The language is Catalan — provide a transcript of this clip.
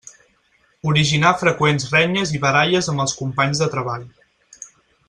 Originar freqüents renyes i baralles amb els companys de treball.